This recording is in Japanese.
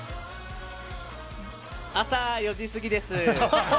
朝４時過ぎです。